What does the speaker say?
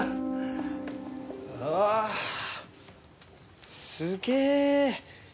ああすげえ。